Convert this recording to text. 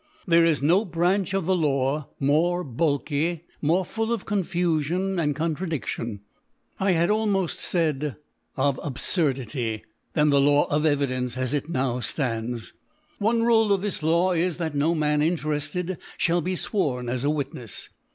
There is. no Branch of the Law more bulky, more full of Con fuiion and Contradiction, I had almoft faid of Abfurdity, than the Law of Evidence as it now ftands. One Rule of this . Law is, that no Man intcrefted ihall be fworn as a Witnefs.